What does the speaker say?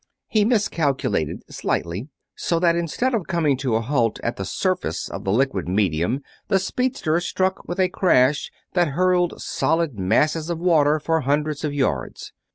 He miscalculated slightly, so that instead of coming to a halt at the surface of the liquid medium the speedster struck with a crash that hurled solid masses of water for hundreds of yards.